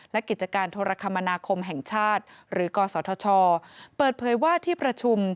และกิจการโทรคมนาคมแห่งชาติหรือกศธชเปิดเผยว่าที่ประชุม